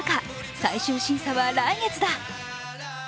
最終審査は来月だ。